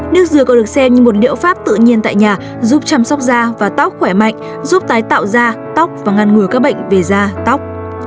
nước dừa còn được xem như một liệu pháp tự nhiên tại nhà giúp chăm sóc da và tóc khỏe mạnh giúp tái tạo ra tóc và ngăn ngừa các bệnh về da tóc